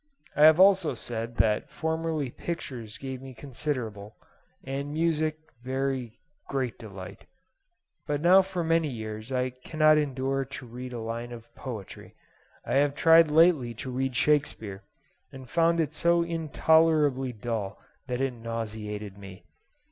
I have also said that formerly pictures gave me considerable, and music very great delight. But now for many years I cannot endure to read a line of poetry: I have tried lately to read Shakespeare, and found it so intolerably dull that it nauseated me.